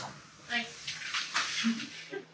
はい。